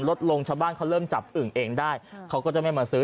ลดลงชาวบ้านเขาเริ่มจับอึ่งเองได้เขาก็จะไม่มาซื้อ